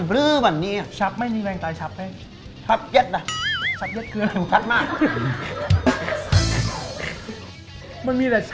แรงแรงตายอะไรของพี่